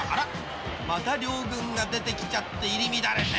また両軍が出てきて入り乱れて！］